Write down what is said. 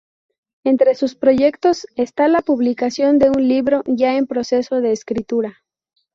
Entre sus proyectos está la publicación de un libro, ya en proceso de escritura.